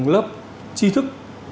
lớp chi thức